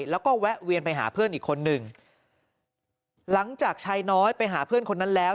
แล้วก็แวะเวียนไปหาเพื่อนอีกคนนึงหลังจากชายน้อยไปหาเพื่อนคนนั้นแล้ว